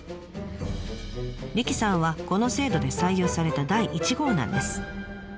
理妃さんはこの制度で採用された第１号なんです。